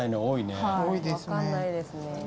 多いですね。